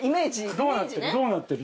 どうなってる？